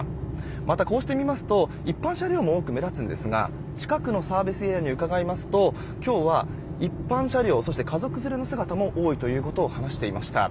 また、こうして見ますと一般車両も目立つんですが近くのサービスエリアに伺いますと今日は一般車両、家族連れの姿も多いと話していました。